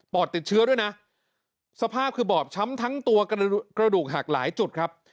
ติดเชื้อด้วยนะสภาพคือบอบช้ำทั้งตัวกระดูกหักหลายจุดครับ